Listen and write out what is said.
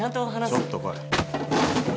ちょっと来い！